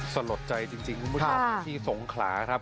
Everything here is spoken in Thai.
สลดใจจริงคุณผู้ชมที่สงขลาครับ